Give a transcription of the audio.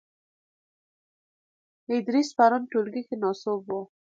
ادریس پرون ټولګې کې ناسوب وو .